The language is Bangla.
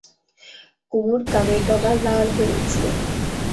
কুমুর কানের ডগা লাল হয়ে উঠল।